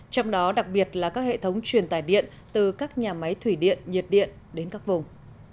trong đó đặc biệt là các hệ thống truyền tải điện từ các nhà máy thủy điện nhiệt điện đến các vùng